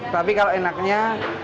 tapi kalau enaknya